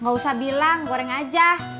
gak usah bilang goreng aja